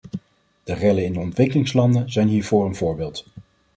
De rellen in de ontwikkelingslanden zijn hiervoor een voorbeeld.